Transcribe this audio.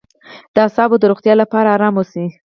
د اعصابو د روغتیا لپاره ارام اوسئ